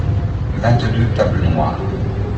vingt deux tables noires.